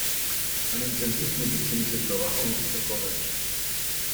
Eine intensivmedizinische Überwachung ist erforderlich.